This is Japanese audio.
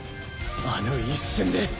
あの一瞬で？